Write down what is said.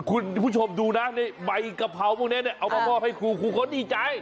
คุณผู้ชมดูนะนี่ใบกะเพราพวกนี้เอามามอบให้ครูครูเขาดีใจ